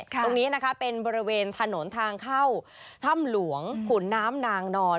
ตรงนี้นะคะเป็นบริเวณถนนทางเข้าถ้ำหลวงขุนน้ำนางนอน